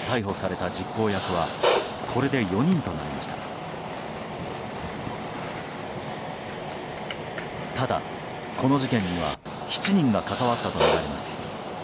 ただ、この事件には７人が関わったとみられます。